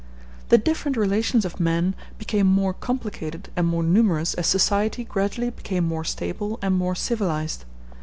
The different relations of men became more complicated and more numerous as society gradually became more stable and more civilized.